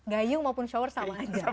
gayung maupun shower sama aja